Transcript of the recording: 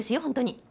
本当に。